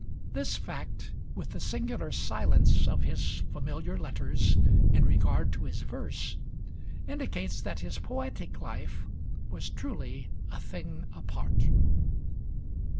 This fact, with the singular silence of his familiar letters in regard to his verse, indicates that his poetic life was truly a thing apart.